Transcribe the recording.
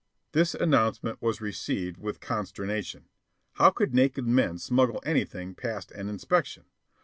This announcement was received with consternation. How could naked men smuggle anything past an inspection?